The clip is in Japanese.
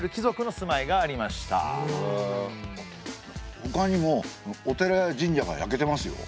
ほかにもお寺や神社が焼けてますよ。